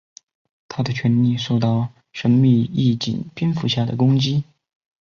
他的权力受到神秘义警蝙蝠侠的攻击。